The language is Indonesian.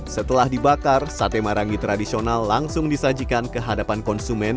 setelah dibakar sate marangi tradisional langsung disajikan ke hadapan konsumen